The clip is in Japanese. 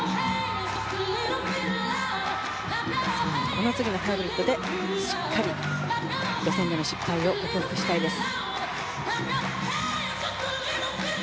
この次のハイブリッドでしっかりと、予選での失敗を克服したいです。